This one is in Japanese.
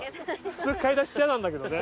普通買い出しって嫌なんだけどね。